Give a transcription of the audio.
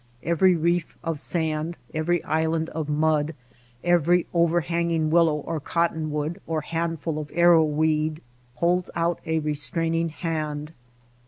Every reef of sand, every island of mud, every THE SILENT RIVER 65 overhanging willow or cottonwood or handful of arrow weed holds out a restraining hand.